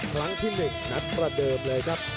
ครั้งที่๑นัดประเดิมเลยครับ